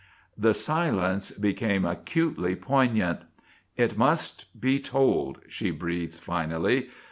The silence became acutely poignant. "It must be told," she breathed finally.